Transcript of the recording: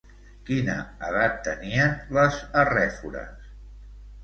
Quina edat tenien les arrèfores?